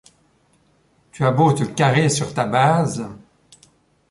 Tu as beau te carrer sur ta base !…